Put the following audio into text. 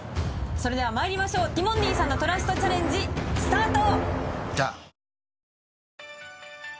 それではまいりましょうティモンディさんの「トラストチャレンジ」スタート！